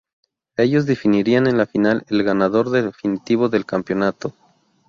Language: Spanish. Ellos definirían en la final el ganador definitivo del campeonato.